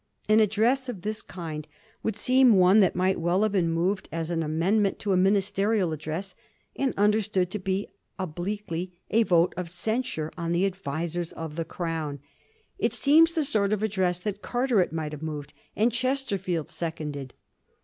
An address of this kind would seem one that might well have been moved as an amendment to a ministerial address, and understood to be obliquely a vote of censure on the advisers of the Crown. It seems the sort of address that Carteret might have moved and Chesterfield seconded.